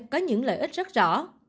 có những lợi ích rất rõ